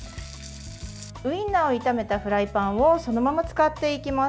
ウインナーを炒めたフライパンをそのまま使っていきます。